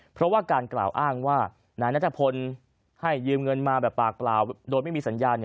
เพราะว่าการกล่าวอ้างว่านายนัทพลให้ยืมเงินมาแบบปากเปล่าโดยไม่มีสัญญาณ